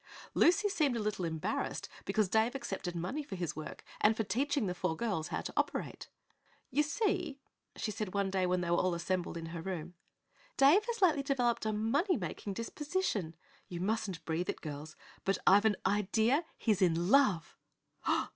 Lucy seemed a little embarrassed because Dave accepted money for his work and for teaching the four girls how to operate. "You see," she said one day when they were all assembled in her room, "Dave has lately developed a money making disposition. You mustn't breathe it, girls, but I've an idea he's in love!"